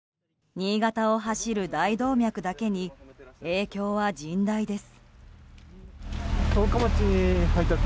新潟を走る大動脈だけに影響は甚大です。